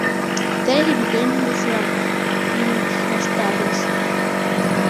There he began his rabbinical studies.